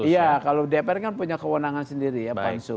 iya kalau dpr kan punya kewenangan sendiri ya pansus